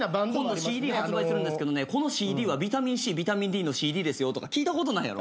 ＣＤ発売するけどこのＣＤはビタミンＣビタミンＤのＣＤですよとか聞いたことないやろ。